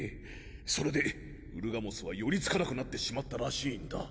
それでウルガモスは寄りつかなくなってしまったらしいんだ。